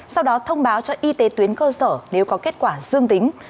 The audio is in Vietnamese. sau đó thông báo cho y tế tuyến cơ sở nếu có kết quả dương tính